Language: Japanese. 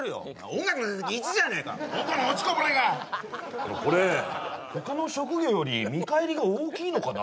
音楽の成績１じゃねえかこの落ちこぼれがこれ他の職業より見返りが大きいのかな